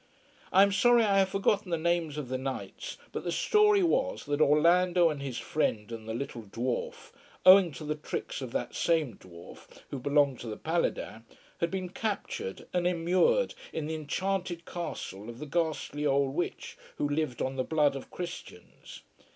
I am sorry I have forgotten the names of the knights. But the story was, that Orlando and his friend and the little dwarf, owing to the tricks of that same dwarf, who belonged to the Paladins, had been captured and immured in the enchanted castle of the ghastly old witch who lived on the blood of Christians.